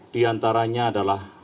di antaranya adalah